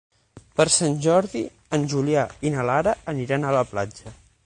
Per Sant Jordi en Julià i na Lara aniran a la platja.